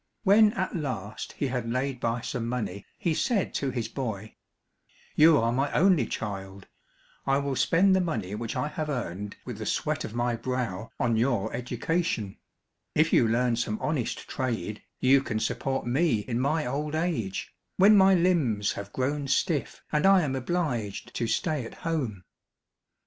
When at last he had laid by some money he said to his boy, "You are my only child, I will spend the money which I have earned with the sweat of my brow on your education; if you learn some honest trade you can support me in my old age, when my limbs have grown stiff and I am obliged to stay at home."